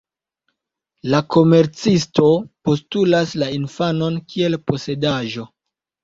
La komercisto postulas la infanon kiel posedaĵo.